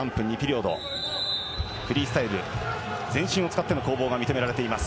フリースタイル、全身を使っての攻防が認められています。